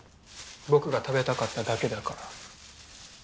僕が食べたかっただけだから。